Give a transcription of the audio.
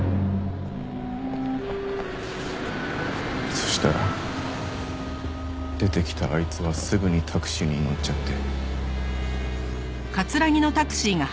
そしたら出てきたあいつはすぐにタクシーに乗っちゃって。